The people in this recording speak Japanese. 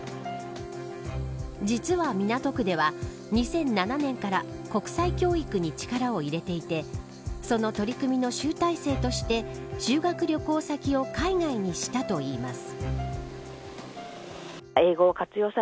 実は港区では２００７年から国際教育に力を入れていてその取り組みの集大成として修学旅行先を海外にしたといいます。